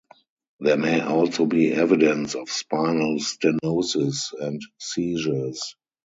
There may also be evidence of spinal stenosis and seizures.